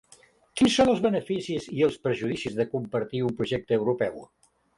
Quins són els beneficis i els perjudicis de compartir un projecte europeu?